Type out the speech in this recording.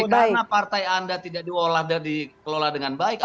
tapi karena partai anda tidak diolah dengan baik anda takut tertutup